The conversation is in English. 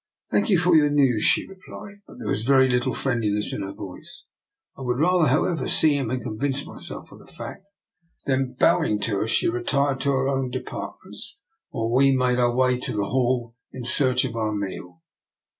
" I thank you for your news," she replied; but there was very little friendliness in her voice. " I would rather, however, see him and convince myself of the fact." Then, bow ing to us, she retired into her own apartments, while we made our way to the hall in search of our meal.